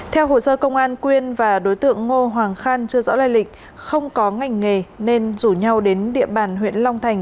theo hồ sơ công an quyên và đối tượng ngô hoàng khan chưa rõ lai lịch không có ngành nghề nên rủ nhau đến địa bàn huyện long thành